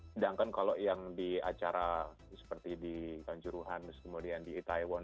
sedangkan kalau yang di acara seperti di kanjuruhan kemudian di itaewon